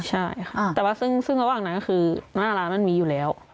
ใช่ค่ะแต่ว่าซึ่งระหว่างนั้นคือหน้าร้านมันมีอยู่แล้ว